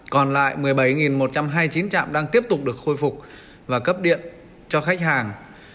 còn lại một mươi bảy một trăm hai mươi chín chạm đang tiếp tục được khôi phục và cấp điện cho khách hàng